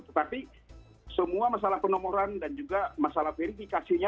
tetapi semua masalah penomoran dan juga masalah verifikasinya